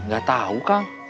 gak tau kang